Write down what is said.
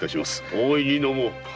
大いに飲もう！